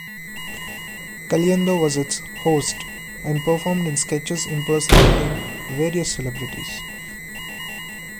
Caliendo was its host and performed in sketches impersonating various celebrities.